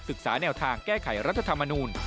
แนวทางแก้ไขรัฐธรรมนูล